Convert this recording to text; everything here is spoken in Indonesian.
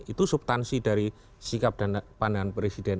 itu subtansi dari sikap dan pandangan presiden